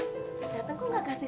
dateng kok gak kasih salam